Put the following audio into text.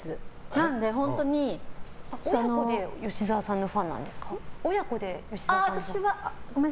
親子で吉沢さんのファンなんですか？